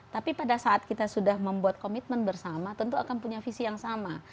tapi pada saat kita sudah membuat komitmen bersama tentu akan punya visi yang sama